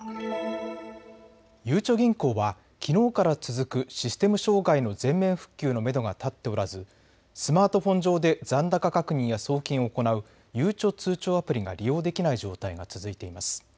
ゆうちょ銀行はきのうから続くシステム障害の全面復旧のめどが立っておらずスマートフォン上で残高確認や送金を行うゆうちょ通帳アプリが利用できない状態が続いています。